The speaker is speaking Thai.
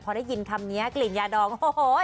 พอได้ยินคำนี้กลิ่นยาดองโอ้โห